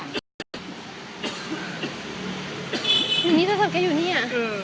อย่างนี้โทรศัพท์แกอยู่นี่อ่ะ